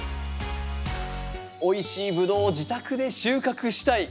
おいしいブドウを自宅で収穫したい。